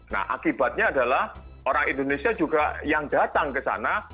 nah akibatnya adalah orang indonesia juga yang datang ke sana